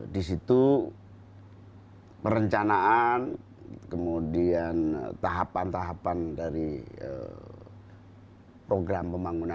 di situ perencanaan kemudian tahapan tahapan dari program pembangunan